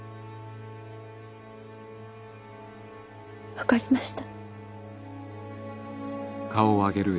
分かりました。